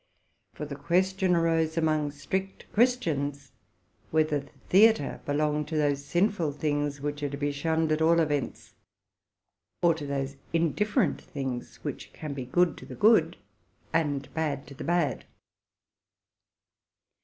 For the question arose, among strict Christians, whether the theatre belonged to those sinful things which are to be shunned at all events, or to those indifferent things which may turn out good for the good, and bad for the bad.